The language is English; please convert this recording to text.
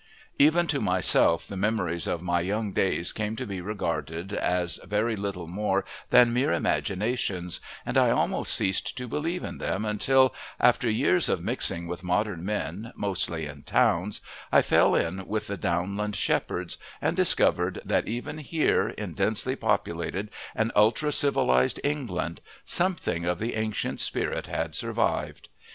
Even to myself the memories of my young days came to be regarded as very little more than mere imaginations, and I almost ceased to believe in them until, after years of mixing with modern men, mostly in towns, I fell in with the downland shepherds, and discovered that even here, in densely populated and ultra civilized England, something of the ancient spirit had survived.